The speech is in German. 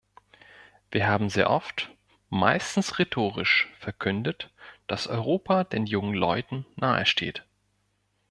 Wir haben sehr oft, meistens rhetorisch, verkündet, dass Europa den jungen Leuten nahe steht.